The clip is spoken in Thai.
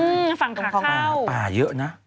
อืมฝั่งตรงข้างเข้าป่าเยอะนะ